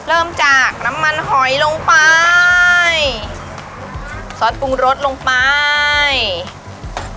เริ่มจากน้ำมันหอยลงไปซอสปรุงรสลงไป